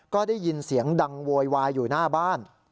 ก็ได้ยินเสียงดังโวยวายอยู่หน้าบ้าน